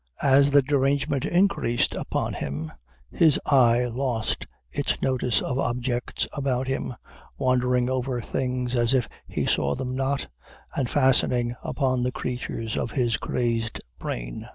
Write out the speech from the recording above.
As the derangement increased upon him, his eye lost its notice of objects about him, wandering over things as if he saw them not, and fastening upon the creatures of his crazed brain.